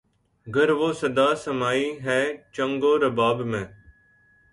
گر وہ صدا سمائی ہے چنگ و رباب میں